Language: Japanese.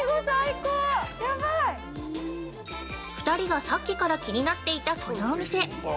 ◆２人がさっきから気になっていたこのお店。